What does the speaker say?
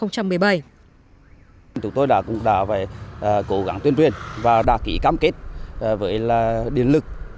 chúng tôi cũng đã cố gắng tuyên truyền và đã kỹ cam kết với điện lực